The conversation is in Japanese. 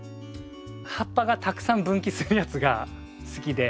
葉っぱがたくさん分岐するやつが好きで。